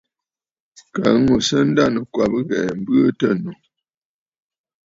Kaa ŋù à sɨ a ndanɨ̀kwabə̀ ghɛ̀ɛ̀ m̀bɨɨ tɨ ànnù.